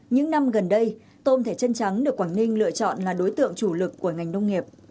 những năm gần đây tôm thẻ chân trắng được quảng ninh lựa chọn là đối tượng chủ lực của ngành nông nghiệp